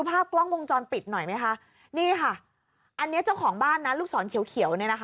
ภาพกล้องวงจรปิดหน่อยไหมคะนี่ค่ะอันนี้เจ้าของบ้านนะลูกศรเขียวเขียวเนี่ยนะคะ